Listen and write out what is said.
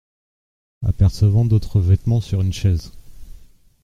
Apercevant d’autres vêtements sur une chaise.